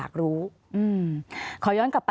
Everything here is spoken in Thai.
ขอบคุณครับ